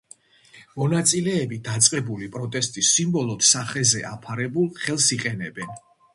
მონაწილეები დაწყებული პროტესტის სიმბოლოდ სახეზე აფარებულ ხელს იყენებენ.